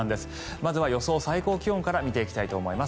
まずは予想最高気温から見ていきたいと思います。